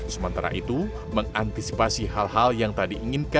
sementara itu mengantisipasi hal hal yang tadi ingin diperoleh